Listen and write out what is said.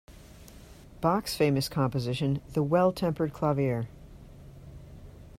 Bach's famous composition, "The Well-Tempered Clavier".